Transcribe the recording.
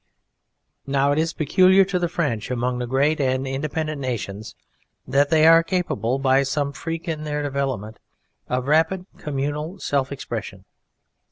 Now it is peculiar to the French among the great and independent nations, that they are capable, by some freak in their development, of rapid communal self expression.